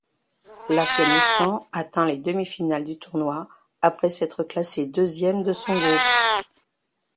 L'Afghanistan atteint les demi-finales du tournoi après s'être classée deuxième de son groupe.